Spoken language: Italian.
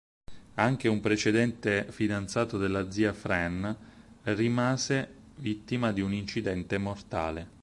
Anche un precedente fidanzato della zia Fran rimase vittima di un incidente mortale.